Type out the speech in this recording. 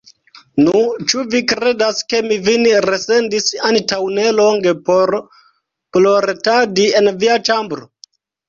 Nu, ĉu vi kredas, ke mi vin resendis antaŭ nelonge por ploretadi en via ĉambro?